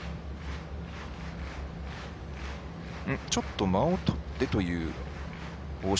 ちょっと間をとってという大城。